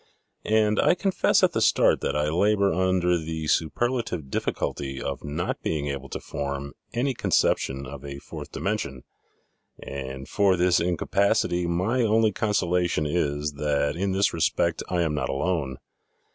And I confess at the start that I labor under the superlative difficulty of not being able to form any conception of a fourth dimension, and for this incapac ity my only consolation is, that in this respect I am not alone.